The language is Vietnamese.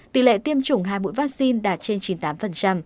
tỷ lệ tiêm chủng hai mũi vaccine đạt trên chín mươi tám